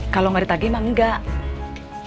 kalau gak ditagi emang enggak